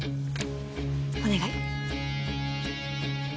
お願い。